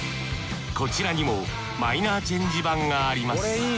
こちらにもマイナーチェンジ版があります